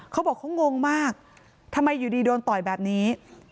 เขาบอกเขางงมากทำไมอยู่ดีโดนต่อยแบบนี้